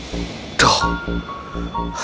terus kalian kehilangan jejak dia